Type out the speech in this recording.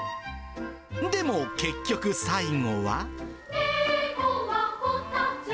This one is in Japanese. でも、結局最後は。